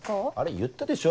言ったでしょ